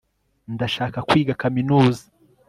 ndashaka kwiga kaminuza